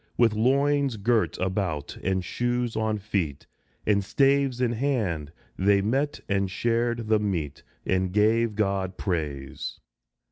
With loins girt about, and shoes on feet, And staves in hand, they met and shared the meat, And gave God praise.